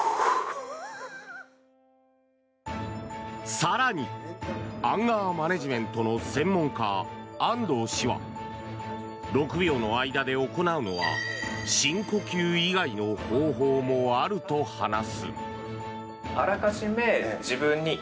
更に、アンガーマネジメントの専門家、安藤氏は６秒の間で行うのは深呼吸以外の方法もあると話す。